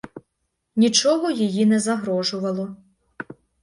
Нічого її не загрожувало.